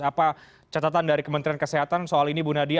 apa catatan dari kementerian kesehatan soal ini bu nadia